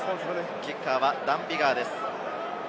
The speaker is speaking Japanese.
キッカーはダン・ビガーです。